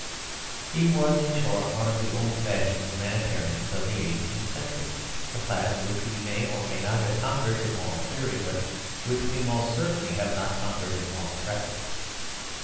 He was, in short, one of the old fashioned humanitarians of the eighteenth century, a class which we may or may not have conquered in moral theory, but which we most certainly have not conquered in moral practice.